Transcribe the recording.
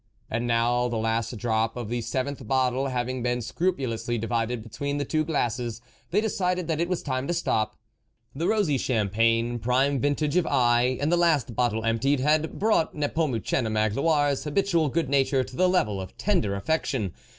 And now, the last drop of the seventh bottle having been scrupulously divided between the two glasses, they decided that it was time to stop. The rosy champagne prime vintage of A'I, and the last bottle emptied had brought Nepomucene Magloire's habitual good nature to the level of tender affec tion.